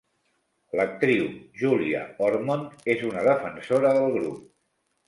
L'actriu Júlia Ormond és una defensora del grup.